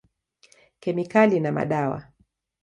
Kemikali na madawa.